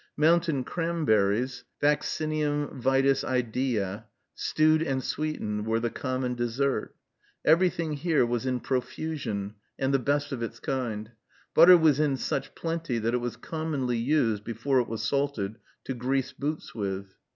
Mountain cranberries (Vaccinium Vitis Idæa), stewed and sweetened, were the common dessert. Everything here was in profusion, and the best of its kind. Butter was in such plenty that it was commonly used, before it was salted, to grease boots with.